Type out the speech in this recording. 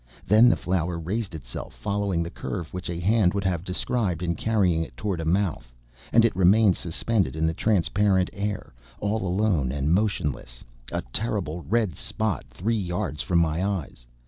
Then the flower raised itself, following the curve which a hand would have described in carrying it toward a mouth, and it remained suspended in the transparent air, all alone and motionless, a terrible red spot, three yards from my eyes.